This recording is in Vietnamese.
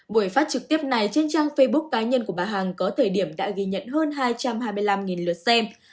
buổi phát trực tiếp này trên trang facebook cá nhân của bà hằng có thời điểm đã ghi nhận hơn hai trăm hai mươi năm lượt xem